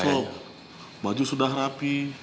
so baju sudah rapi